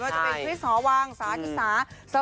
มันจะเป็นคริสฮวังสาธิศาสตร์